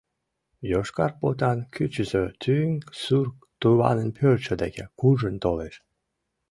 Йошкар потан кӱчызӧ тӱҥ сур туванын пӧртшӧ деке куржын толеш.